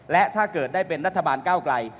และถ้าเกิดได้เป็นรัฐบาลก้าวไกล